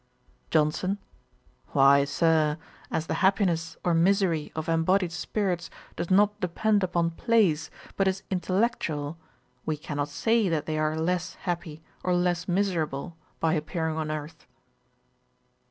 JOHNSON. 'Why, Sir, as the happiness or misery of embodied spirits does not depend upon place, but is intellectual, we cannot say that they are less happy or less miserable by appearing upon earth.'